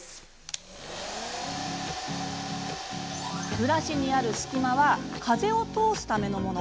ブラシにある隙間は風を通すためのもの。